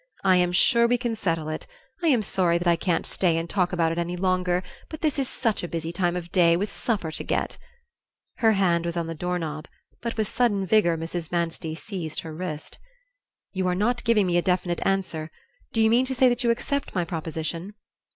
"I am sure we can settle it. I am sorry that I can't stay and talk about it any longer, but this is such a busy time of day, with supper to get " Her hand was on the door knob, but with sudden vigor Mrs. Manstey seized her wrist. "You are not giving me a definite answer. Do you mean to say that you accept my proposition?"